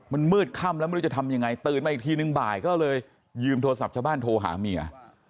มันมืดค่ำแล้วไม่รู้จะทำยังไงตื่นมาอีกทีนึงบ่ายก็เลยยืมโทรศัพท์ชาวบ้านโทรหาเมีย